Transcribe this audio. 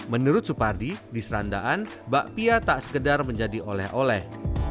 menurut supardi di serandaan bakpia tak sekedar menjadi oleh oleh